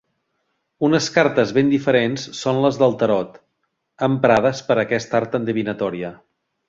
Unes cartes ben diferents són les del tarot, emprades per a aquesta art endevinatòria.